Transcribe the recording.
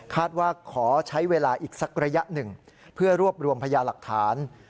ว่าขอใช้เวลาอีกสักระยะหนึ่งเพื่อรวบรวมพยาหลักฐาน